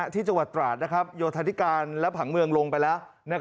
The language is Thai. ที่จังหวัดตราดโยธาธิการและผังเมืองลงไปแล้ว